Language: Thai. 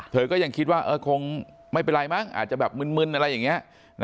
เธอก็ยังคิดว่าคงไม่เป็นไรมั้งอาจจะแบบมึนอะไรอย่างนี้